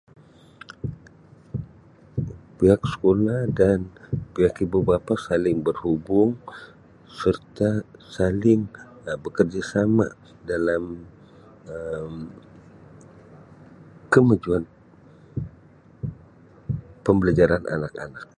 Pihak sekolah dan pihak ibu-bapa saling berhubung serta saling Um berkerjasama dalam kemajuan pembelajaran anak-anak.